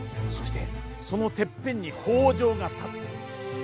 そしてそのてっぺんに北条が立つ。